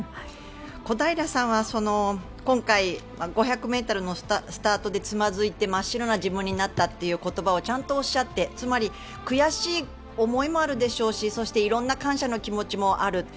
小平さんは今回、５００ｍのスタートでつまずいて真っ白な自分になったという言葉をちゃんとおっしゃって、つまり悔しい思いもあるでしょうしそして色んな感謝の気持ちもある。